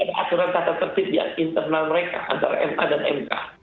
tidak ada aturan tata tertibian internal mereka antara ma dan mk